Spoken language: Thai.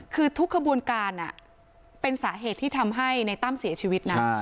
คือทุกขบวนการเป็นสาเหตุที่ทำให้ในตั้มเสียชีวิตนะ